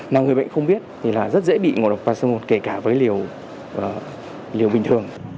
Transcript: nếu người bệnh không biết thì rất dễ bị ngộ độc paracetamol kể cả với liều bình thường